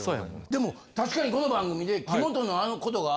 でも確かにこの番組で。